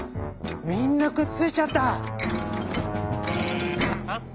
みんなくっついちゃった！ハハ」。